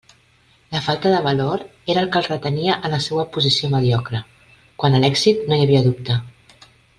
La falta de valor era el que el retenia en la seua posició mediocre; quant a l'èxit, no hi havia dubte.